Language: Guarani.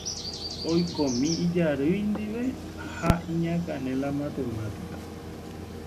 oikómi ijarýi ndive ha iñakãne la matemática-pe.